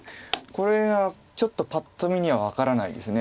これはちょっとパッと見には分からないです。